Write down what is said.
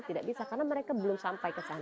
tidak bisa karena mereka belum sampai ke sana